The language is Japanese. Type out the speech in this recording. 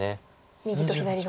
右と左の。